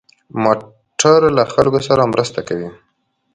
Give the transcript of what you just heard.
موټر له خلکو سره مرسته کوي.